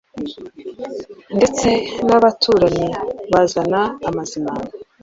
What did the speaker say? ndetse n' abaturanyi bazana amazimano.